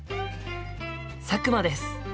佐久間です。